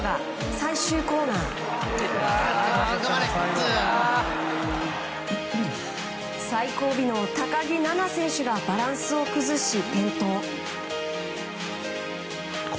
最後尾の高木菜那選手がバランスを崩し転倒。